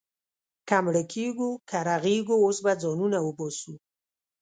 که مړه کېږو، که رغېږو، اوس به ځانونه وباسو.